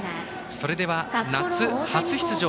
それでは夏初出場